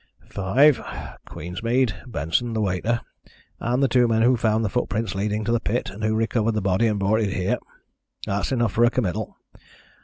"Five: Queensmead, Benson, the waiter, and the two men who found the footprints leading to the pit and who recovered the body and brought it here. That's enough for a committal.